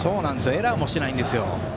エラーもしていないんですよ。